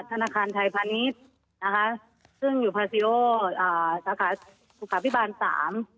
ธนาคารไทยพาณิชย์นะคะซึ่งอยู่สาขาศุกราบพิบาลสาม